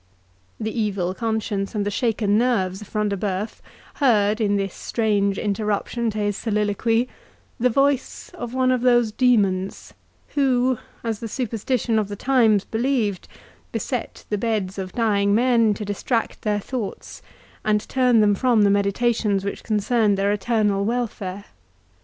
The evil conscience and the shaken nerves of Front de Bœuf heard, in this strange interruption to his soliloquy, the voice of one of those demons, who, as the superstition of the times believed, beset the beds of dying men to distract their thoughts, and turn them from the meditations which concerned their eternal welfare.